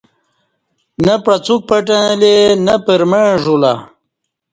نہ پعڅوک پٹں اہ لے نہ پر مع ژولہ